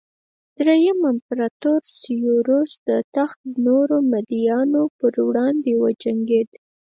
درېیم امپراتور سېوروس د تخت نورو مدعیانو پر وړاندې وجنګېد